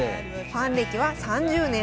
ファン歴は３０年。